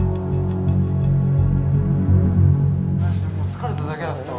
疲れただけだけど。